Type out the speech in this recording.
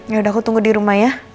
yaudah aku tunggu dirumah ya